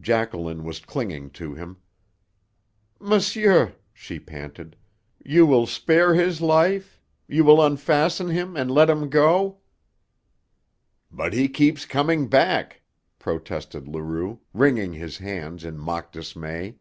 Jacqueline was clinging to him. "Monsieur," she panted, "you will spare his life? You will unfasten him and let him go?" "But he keeps coming back," protested Leroux, wringing his hands in mock dismay.